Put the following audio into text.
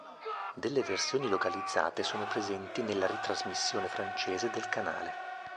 Delle versioni localizzate sono presenti nella ritrasmissione francese del canale.